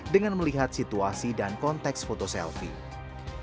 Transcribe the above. dengan melihat situasi dan konteks foto selfie